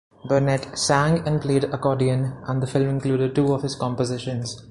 Burnette sang and played accordion, and the film included two of his compositions.